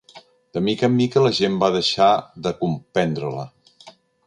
De mica en mica la gent va deixar de comprendre-la.